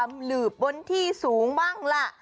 ตามซอกตามหลืบบนที่สูงบ้างละ